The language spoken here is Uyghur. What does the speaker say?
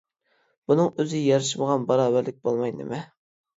بۇنىڭ ئۆزى ياراشمىغان باراۋەرلىك بولماي نېمە.